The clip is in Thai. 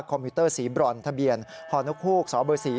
คอมมิวเตอร์สีบรอนทะเบียนฮศ๔๖๓๔